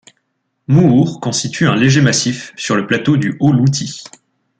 Mouhour constitue un léger massif sur le plateau du haut Louti.